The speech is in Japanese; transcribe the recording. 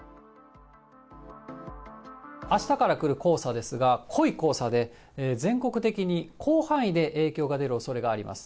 あしたから来る黄砂ですが、濃い黄砂で、全国的に広範囲で影響が出るおそれがあります。